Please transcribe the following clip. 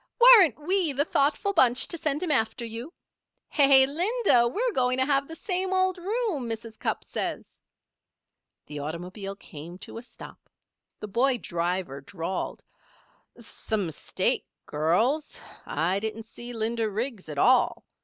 "Weren't we the thoughtful bunch to send him after you?" "Hey, Linda! we're going to have the same old room, Mrs. Cupp says." The automobile came to a stop. The boy driver drawled: "Some mistake, girls. I didn't see Linda Riggs at all.